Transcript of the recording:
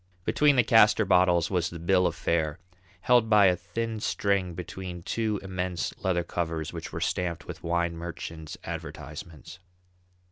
Between the castor bottles was the bill of fare, held by a thin string between two immense leather covers which were stamped with wine merchants' advertisements.